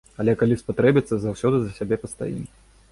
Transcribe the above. Але калі спатрэбіцца, заўсёды за сябе пастаім.